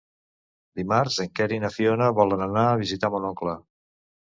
Dimarts en Quer i na Fiona volen anar a visitar mon oncle.